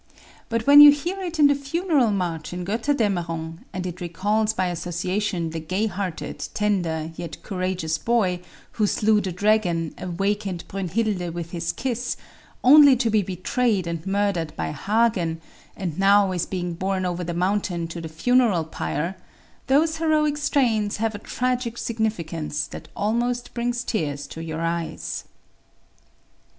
But when you hear it in the Funeral March in "Götterdämmerung" and it recalls by association the gay hearted, tender yet courageous boy, who slew the dragon, awakened Brünnhilde with his kiss, only to be betrayed and murdered by Hagen, and now is being borne over the mountain to the funeral pyre, those heroic strains have a tragic significance that almost brings tears to your eyes.